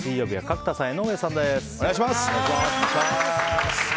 本日水曜日、水曜日は角田さん、江上さんです。